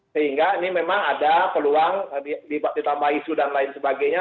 sehingga ini memang ada peluang ditambah isu dan lain sebagainya